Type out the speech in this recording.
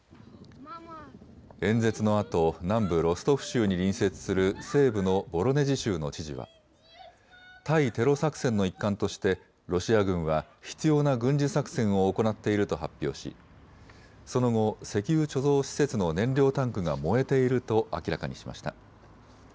演説のあと南部ロストフ州に隣接する西部のボロネジ州の知事は対テロ作戦の一環としてロシア軍は必要な軍事作戦を行っていると発表しその後石油貯蔵施設の燃料タンクが燃えていると明らかにしました。